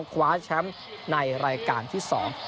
๒๕๒๐๒๕๑๘๒๕๒๓ขวาแชมป์ในรายการที่๒